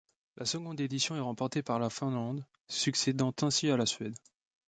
La seconde édition est remporté par la Finlande, succédant ainsi à la Suède.